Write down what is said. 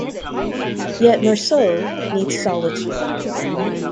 Yet Mersault needs solitude.